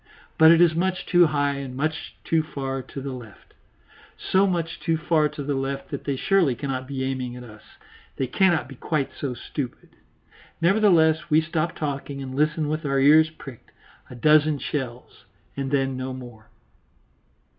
But it is much too high and much too far to the left so much too far to the left that they surely cannot be aiming at us; they cannot be quite so stupid. Nevertheless we stop talking and listen with our ears pricked a dozen shells, and then no more.